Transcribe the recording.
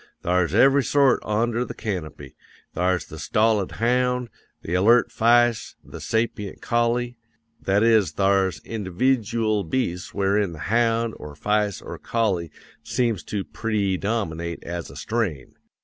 Thar's every sort onder the canopy: thar's the stolid hound, the alert fice, the sapient collie; that is thar's individyool beasts wherein the hound, or fice, or collie seems to preedominate as a strain.